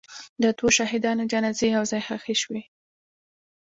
د دوو شهیدانو جنازې یو ځای ښخ شوې.